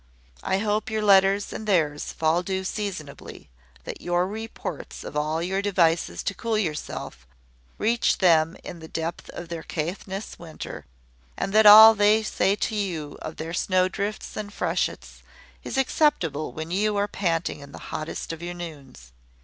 I hope your letters and theirs fall due seasonably; that your reports of all your devices to cool yourself, reach them in the depth of their Caithness winter; and that all they say to you of their snow drifts and freshets is acceptable when you are panting in the hottest of your noons.